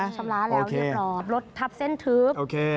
ชำระแล้วเรียบร้อยรถทับเส้นทึบ